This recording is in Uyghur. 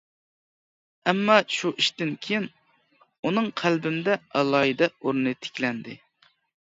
ئەمما شۇ ئىشتىن كىيىن ئۇنىڭ قەلبىمدە ئالاھىدە ئورنى تىكلەندى.